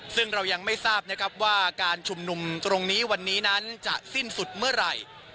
ซึ่งเรายังไม่ทราบนะครับว่าการชุมนุมตรงนี้วันนี้นั้นจะสิ้นสุดเมื่อไหร่